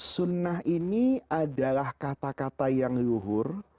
sunnah ini adalah kata kata yang luhur